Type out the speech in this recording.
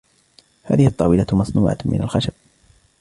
هذه الطاولة مصنوعة من الخشب.